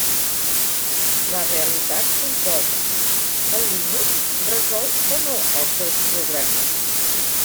La realitat s'imposa: el Linux resol o no els seus problemes?